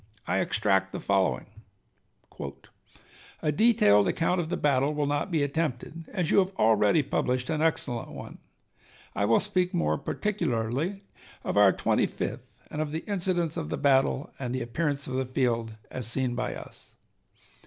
I extract the following: A detailed account of the battle will not be attempted, as you have already published an excellent one. I will speak more particularly of our Twenty fifth, and of the incidents of the battle and the appearance of the field as seen by us.